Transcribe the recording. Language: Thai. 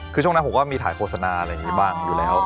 คือช่วงนั้นผมก็มีถ่ายโฆษณาอะไรอย่างนี้บ้างอยู่แล้ว